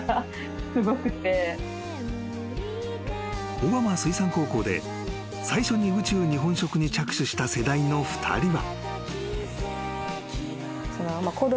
［小浜水産高校で最初に宇宙日本食に着手した世代の２人は］